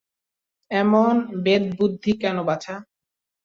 এমন ভেদবুদ্ধি কেন বাছা।